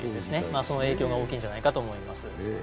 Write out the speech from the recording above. その影響が大きいんじゃないかと思います。